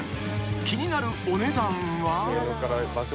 ［気になるお値段は］